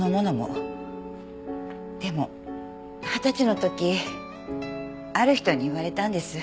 でも二十歳の時ある人に言われたんです。